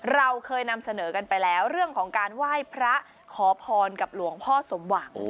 เราเคยนำเสนอกันไปแล้วเรื่องของการไหว้พระขอพรกับหลวงพ่อสมหวัง